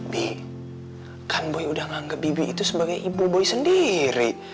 bi kan boy udah menganggap bibi itu sebagai ibu boy sendiri